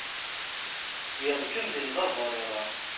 Yerkeb di lbabur, iruḥ.